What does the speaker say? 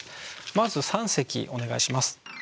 まず三席お願いします。